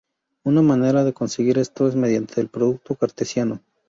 Una manera de conseguir esto es mediante el producto cartesiano.